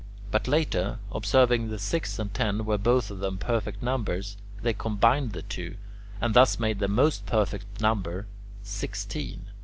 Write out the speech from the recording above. But later, observing that six and ten were both of them perfect numbers, they combined the two, and thus made the most perfect number, sixteen.